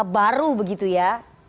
baru begitu ya